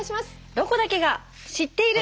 「ロコだけが知っている」。